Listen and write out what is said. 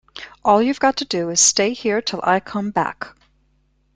All you’ve got to do is to stay here till I come back.